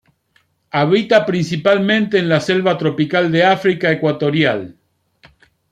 Habita principalmente en la selva tropical de África ecuatorial.